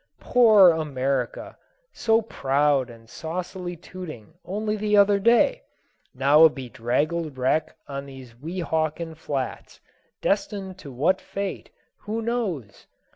Poor America! so proud and saucily tooting only the other day, now a bedraggled wreck on these Weehawken flats, destined to what fate who knows?